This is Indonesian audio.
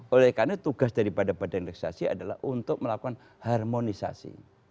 oleh karena tugas dari pada pada legislasi adalah untuk melakukan harmonisasi